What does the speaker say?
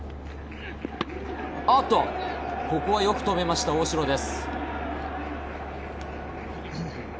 おっと、ここはよく止めました、大城です。